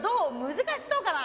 難しそうかな？